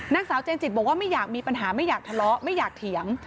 นางสาวเจนจิตบอกว่าไม่อยากมีปัญหาไม่อยากทะเลาะไม่อยากเถียง